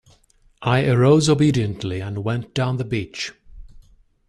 I arose obediently and went down the beach.